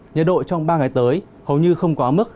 nhiệt độ trong ba ngày tới hầu như không quá mức